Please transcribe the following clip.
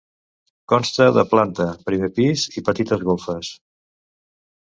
Consta de planta, primer pis i petites golfes.